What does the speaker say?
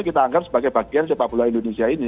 kita anggap sebagai bagian sepak bola indonesia ini